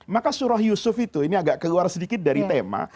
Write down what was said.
maka surah yusuf itu ini agak keluar sedikit dari tema